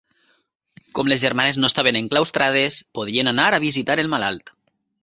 Com les germanes no estaven enclaustrades, podien anar a visitar el malalt.